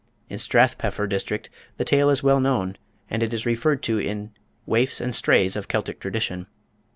In Strathpeffer district the tale is well known, and it is referred to in "Waifs and Strays of Celtic Tradition."